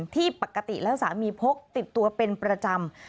ที่ปกติแล้วสามีพกติดตัวเป็นประจำ